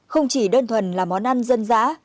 không chỉ đơn thuần là món ăn dân dã